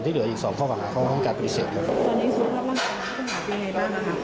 เห็นไงล่ะครับ